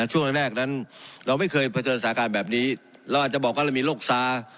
ช่วงแรกนั้นเราไม่เคยเผชิญสถานการณ์แบบนี้เราอาจจะบอกว่าเรามีโรคซ้า